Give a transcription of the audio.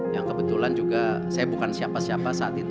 yang kebetulan juga saya bukan siapa siapa saat itu